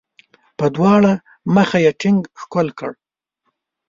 په دواړه مخه یې ټینګ ښکل کړ.